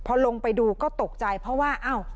พอลงไปดูก็ตกใจเพราะว่าอ้าว